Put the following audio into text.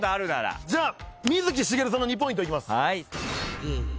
水木しげるさんの２ポイントいきます。